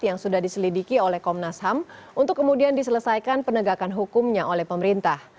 yang sudah diselidiki oleh komnas ham untuk kemudian diselesaikan penegakan hukumnya oleh pemerintah